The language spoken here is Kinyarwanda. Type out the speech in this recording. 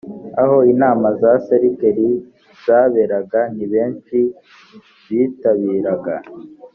aho inama za serikeri zaberaga ni benshi bitabiraga